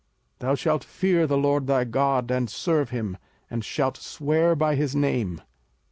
05:006:013 Thou shalt fear the LORD thy God, and serve him, and shalt swear by his name.